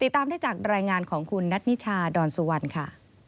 ตามได้จากรายงานของคุณนัทนิชาดอนสุวรรณค่ะ